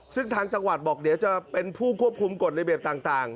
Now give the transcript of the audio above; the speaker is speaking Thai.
ซึ่งทางจังหวัดบอกเดี๋ยวจะเป็นผู้ควบคุมกฎระเบียบต่าง